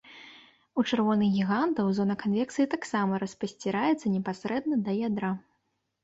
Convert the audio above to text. У чырвоных гігантаў зона канвекцыі таксама распасціраецца непасрэдна да ядра.